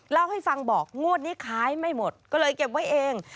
เล่าให้ฟังบอกงวดนี้ขายไม่หมดก็เลยเก็บไว้เอง